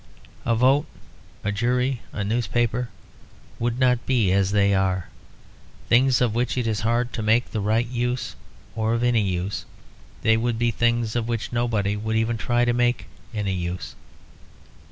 A vote, a jury, a newspaper, would not be as they are, things of which it is hard to make the right use, or any use; they would be things of which nobody would even try to make any use.